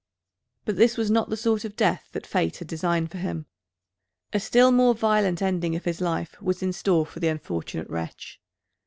But this was not the sort of death that Fate had designed for him. A still more violent ending of his life was in store for the unfortunate wretch.